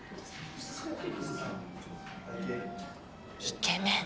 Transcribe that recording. イケメン。